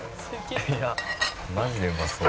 「いやマジでうまそう」